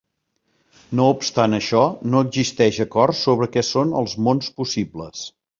No obstant això, no existeix acord sobre què són els mons possibles.